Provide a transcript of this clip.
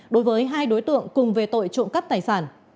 đối với hai đối tượng cùng về tội trộm cắp tài sản